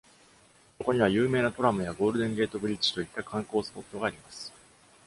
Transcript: そこには、有名なトラムやゴールデン・ゲート・ブリッジといった観光スポットがあります。